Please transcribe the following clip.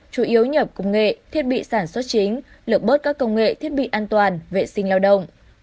chủ yếu nhập công nghệ thiết bị sản xuất chính lực bớt các công nghệ thiết bị an toàn vệ sinh lao động